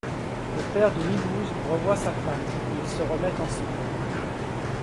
Le père de Milhouse revoit sa femme et ils se remettent ensemble.